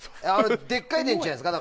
でっかい電池じゃないですか。